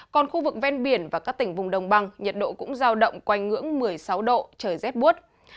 còn khu vực ven biển và các tỉnh vùng đồng bằng nhiệt độ cũng giao động quanh ngưỡng một mươi sáu độ trời rét buốt